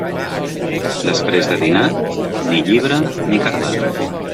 Després de dinar, ni llibre ni cardar.